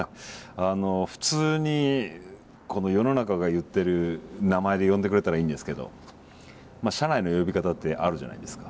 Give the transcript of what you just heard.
普通に世の中が言ってる名前で呼んでくれたらいいんですけど社内の呼び方ってあるじゃないですか。